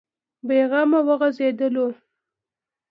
بې غمه وغځېدلو.